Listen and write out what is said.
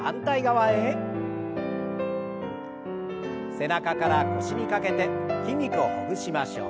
背中から腰にかけて筋肉をほぐしましょう。